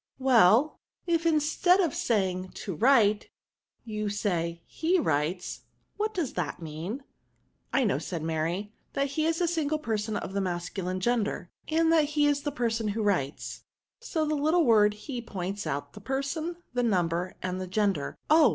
" Well; if instead (£ saying ie write^ you say he writesy what does that mean I '« I know," said Mary, that Ae is a sin* gle person of the masculine gender, and that he is the person who writes; so the little word he points out the person, the nmpber, and the gender. Oh!